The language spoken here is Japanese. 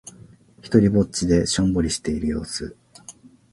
ひとりっぼちでしょんぼりしている様子。